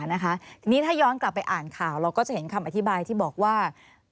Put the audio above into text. ทีนี้ถ้าย้อนกลับไปอ่านข่าวเราก็จะเห็นคำอธิบายที่บอกว่า